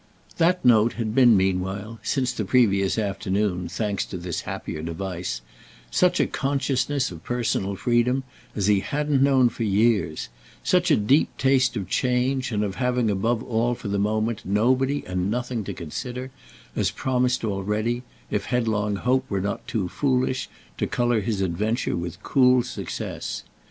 That note had been meanwhile—since the previous afternoon, thanks to this happier device—such a consciousness of personal freedom as he hadn't known for years; such a deep taste of change and of having above all for the moment nobody and nothing to consider, as promised already, if headlong hope were not too foolish, to colour his adventure with cool success.